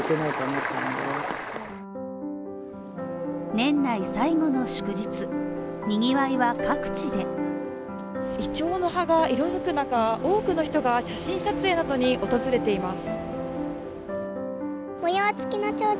年内最後の祝日にぎわいは各地でいちょうの葉が色づく中、多くの人が写真撮影などに訪れています。